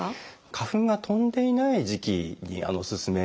花粉が飛んでいない時期におすすめします。